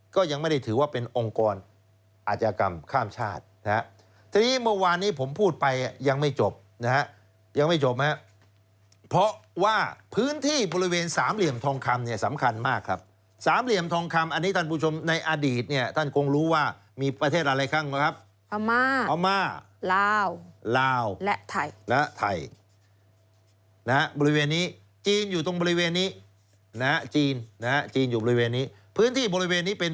ก็ได้ถือว่าเป็นองค์กรอาจกรรมข้ามชาตินะฮะทีนี้เมื่อวานนี้ผมพูดไปอ่ะยังไม่จบนะฮะยังไม่จบมั้ยฮะเพราะว่าพื้นที่บริเวณสามเหลี่ยมทองคำเนี่ยสำคัญมากครับสามเหลี่ยมทองคำอันนี้ท่านผู้ชมในอดีตเนี่ยท่านคงรู้ว่ามีประเทศอะไรครั้งนะครับพม่าพม่าลาวลาวและไทยและไทย